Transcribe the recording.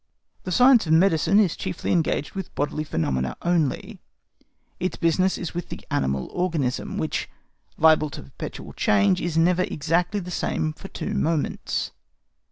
The science of medicine is chiefly engaged with bodily phenomena only; its business is with the animal organism, which, liable to perpetual change, is never exactly the same for two moments.